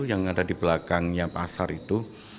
yang ada di belakangnya pasar itu